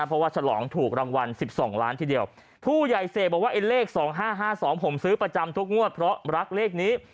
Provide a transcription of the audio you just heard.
เพราะว่าฉลองถูกรางวัล๑๒ล้านทีเดียวผู้ใหญ่เสกบอกว่าไอ้เลขสองห้าห้าสองผมซื้อประจำทุกงวดเพราะรักเลขนี้